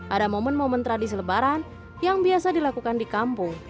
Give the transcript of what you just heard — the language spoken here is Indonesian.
ada momen momen tradisi lebaran yang biasa dilakukan di kampung